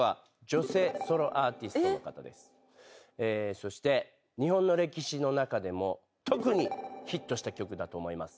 そして日本の歴史の中でも特にヒットした曲だと思います。